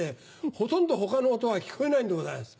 ほとんど他の音が聞こえないんでございます。